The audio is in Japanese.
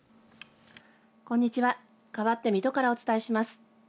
こんにちはかわって水戸からお伝えします。